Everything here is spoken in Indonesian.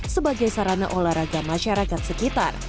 sebagai sarana olahraga masyarakat sekitar